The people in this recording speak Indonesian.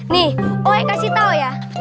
nih gue kasih tau ya